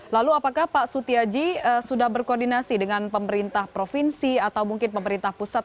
lalu apakah pak sutiaji sudah berkoordinasi dengan pemerintah provinsi atau mungkin pemerintah pusat